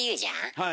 はい。